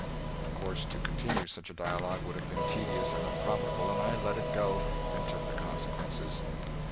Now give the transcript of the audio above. Of course to continue such a dialogue would have been tedious and unprofitable, and I let it go, and took the consequences.